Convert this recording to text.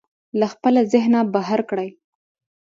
له خپله ذهنه بهر کړئ.